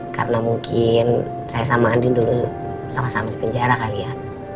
karena mungkin saya sama andi dulu sama sama di penjara kali ya